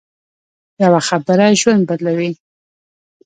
یوه خبره ژوند بدلوي